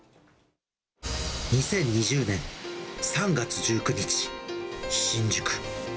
２０２０年３月１９日、新宿。